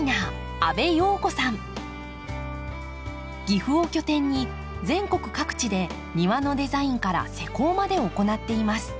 岐阜を拠点に全国各地で庭のデザインから施工まで行っています。